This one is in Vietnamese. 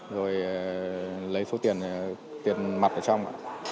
rồi lấy số tiền mặt ở trong